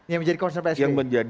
yang menjadi konser pak sbe